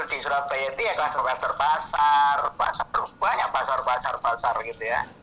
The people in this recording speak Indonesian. di surabaya itu ya kluster kluster pasar banyak pasar pasar gitu ya